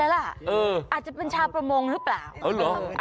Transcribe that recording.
ว่าชาวกับประมงหรือเปล่า